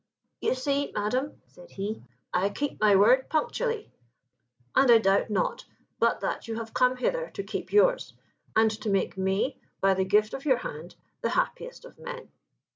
"You see, Madam," said he, "I keep my word punctually, and I doubt not but that you have come hither to keep yours, and to make me, by the gift of your hand, the happiest of men."